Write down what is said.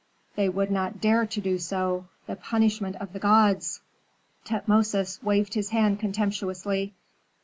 "They would not dare to do so. The punishment of the gods " Tutmosis waved his hand contemptuously.